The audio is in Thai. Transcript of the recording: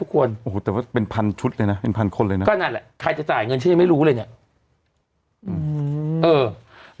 ก็นั่นแหละใครจะจ่ายเงินฉันยังไม่รู้เลยเนี่ย